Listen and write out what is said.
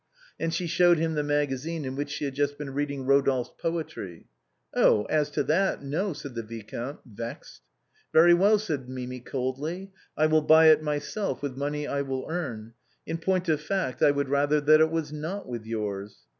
And she showed him the magazine in which she had just been reading Rodolphe's poetry. " Oh ! as to that, no," said the viscount, vexed. " Very well," said Mimi, coldly, " I will buy it myself with money I will earn. In point of fact, I would rather that it was not with yours."